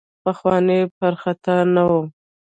پخواني پر خطا نه وو.